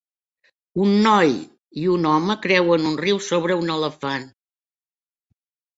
Un noi i un home creuen un riu sobre un elefant.